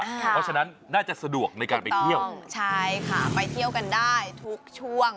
เพราะฉะนั้นน่าจะสะดวกในการไปเที่ยวใช่ค่ะไปเที่ยวกันได้ทุกช่วง